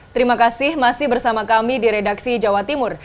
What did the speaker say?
terima kasih masih bersama kami di redaksi jawa timur